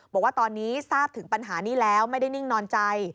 บอกว่าตอนนี้ทราบถึงปัญหานี้แล้วไม่ได้นิ่งนอนใจ